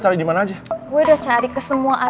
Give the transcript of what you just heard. kalau orang enggak bisa ada